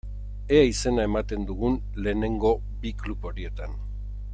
Ea izena ematen dugun lehenengo bi klub horietan.